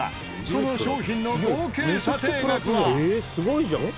その商品の合計査定額は。